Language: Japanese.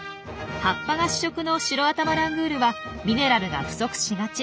葉っぱが主食のシロアタマラングールはミネラルが不足しがち。